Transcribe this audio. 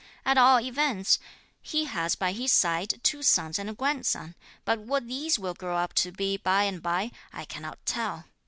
At all events, he has by his side two sons and a grandson, but what these will grow up to be by and bye, I cannot tell.